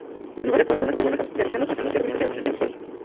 La novela tuvo buenas críticas, realizándose posteriormente una miniserie.